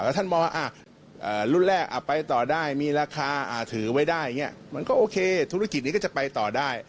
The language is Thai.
ท่านมองว่ารุ่นแรกไปต่อได้มีราคาถือไว้ได้อย่างนี้มันก็โอเคธุรกิจนี้ก็จะไปต่อได้